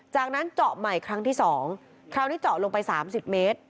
จากนั้นเจาะใหม่ครั้งที่๒คราวนี้เจาะลงไป๓๐เมตร